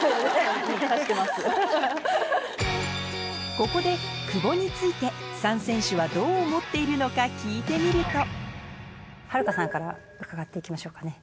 ここで久保について３選手はどう思っているのか聞いてみると秦留可さんから伺って行きましょうかね。